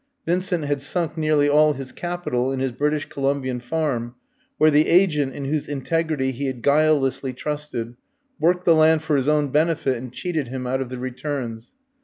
Vincent had sunk nearly all his capital in his British Columbian farm, where the agent, in whose integrity he had guilelessly trusted, worked the land for his own benefit, and cheated him out of the returns.